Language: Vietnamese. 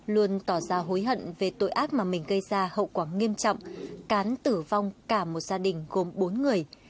luôn tỏ ra hối hận về tội ác mà mình gây ra hậu quả nghiêm trọng cán tử vong cả một gia đình gồm bốn người